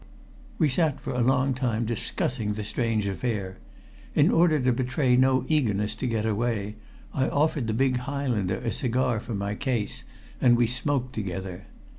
We sat for a long time discussing the strange affair. In order to betray no eagerness to get away, I offered the big Highlander a cigar from my case, and we smoked together.